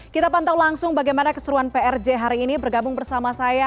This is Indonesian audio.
kita pantau langsung bagaimana keseruan prj hari ini bergabung bersama saya